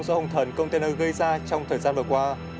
do hồng thần container gây ra trong thời gian vừa qua